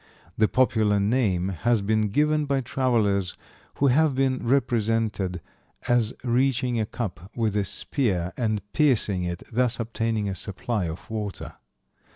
The popular name has been given by travelers who have been represented as reaching a cup with a spear and piercing it, thus obtaining a supply of water.